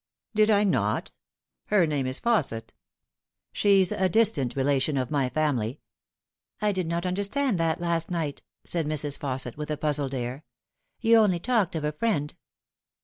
" Did I not ? Her name is Fausset. She is a distant rela tion of my family." " I did not understand that last night," said Mrs. Fausset, with a puzzled air. " You only talked of a friend."